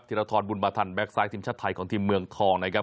รทรบุญมาทันแก๊กซ้ายทีมชาติไทยของทีมเมืองทองนะครับ